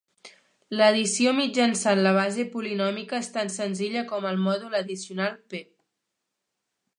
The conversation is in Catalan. L'addició mitjançant la base polinòmica és tan senzilla com el mòdul addicional "p".